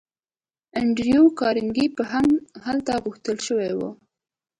انډریو کارنګي به هم هلته غوښتل شوی وي